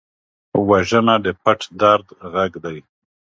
وژنه د پټ درد غږ دی